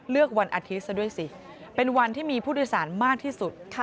วันอาทิตย์ซะด้วยสิเป็นวันที่มีผู้โดยสารมากที่สุด